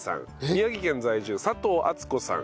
宮城県在住佐藤厚子さん